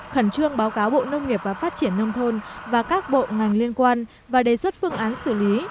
khẩn trương báo cáo bộ nông nghiệp và phát triển nông thôn và các bộ ngành liên quan và đề xuất phương án xử lý